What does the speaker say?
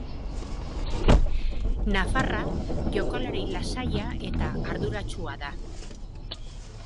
Nafarra jokalari lasaia eta arduratsua da.